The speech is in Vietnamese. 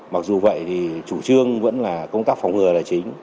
mặc dù vậy thì chủ trương vẫn là công tác phòng ngừa là chính